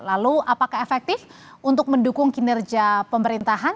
lalu apakah efektif untuk mendukung kinerja pemerintahan